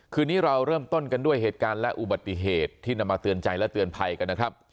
คืนนี้เราเริ่มต้นกันด้วยเหตุการณ์และอุบัติเหตุที่นำมาเตือนใจและเตือนภัยกันนะครับ